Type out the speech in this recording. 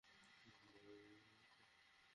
আর প্রতি বছরই এরূপ চলতে থাকে।